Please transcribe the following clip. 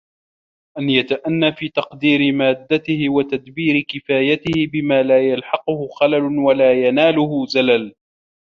أَنْ يَتَأَنَّى فِي تَقْدِيرِ مَادَّتِهِ وَتَدْبِيرِ كِفَايَتِهِ بِمَا لَا يَلْحَقُهُ خَلَلٌ وَلَا يَنَالُهُ زَلَلٌ